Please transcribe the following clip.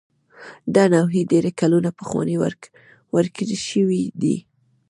دا نوعې ډېر کلونه پخوا ورکې شوې دي.